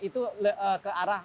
itu ke arah